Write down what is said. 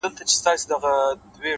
خاموش عمل تر خبرو قوي اغېز لري؛